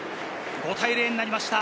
５対０になりました。